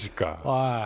はい。